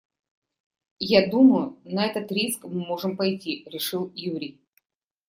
«Я думаю, на этот риск мы можем пойти», - решил Юрий.